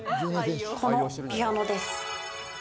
このピアノです。